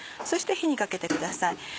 そして火にかけてください。